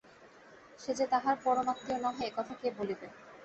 সে যে তাঁহার পরমাত্মীয় নহে এ কথা কে বলিবে।